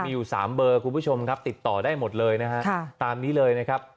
มีอยู่๓เบอร์คุณผู้ชมครับติดต่อได้หมดเลยนะฮะตามนี้เลยนะครับ